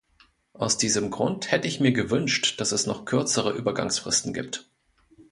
Aus diesem Grund hätte ich mir gewünscht, dass es noch kürzere Übergangsfristen gibt.